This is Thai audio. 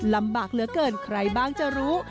ลำบากเหลือเกินใครบ้างจะรู้